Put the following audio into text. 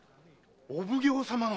お奉行様の！